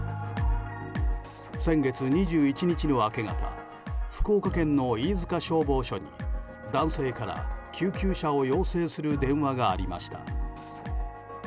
先月２１日の明け方福岡県の飯塚消防署に男性から救急車を要請する電話がありました。